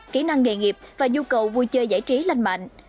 kỹ năng nghề nghiệp và nhu cầu vui chơi giải trí lanh mạnh